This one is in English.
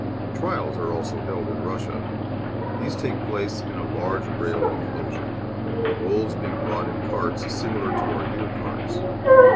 Trials are also held in Russia. These take place in a large railed enclosure, the wolves being brought in carts similar to our deer carts.